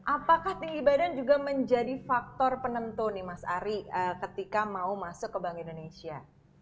apakah tinggi badan juga menjadi faktor penentu nih mas ari ketika mau masuk ke bank indonesia